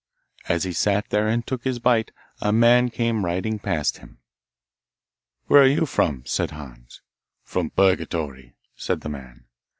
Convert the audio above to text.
As he sat there and took his bite, a man came riding past him. 'Where are you from?' said Hans. 'From Purgatory,' said the man.